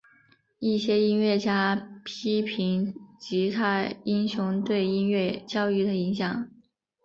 一些音乐家批评吉他英雄对音乐教育的影响。